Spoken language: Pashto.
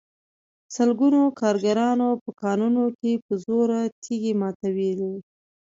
سلګونو کارګرانو په کانونو کې په زور تېږې ماتولې